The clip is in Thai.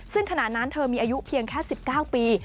ซึ่งขณะนั้นเธอมีอายุเพียงแค่๑๙ปี